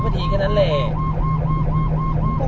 ผู้ชีพเราบอกให้สุจรรย์ว่า๒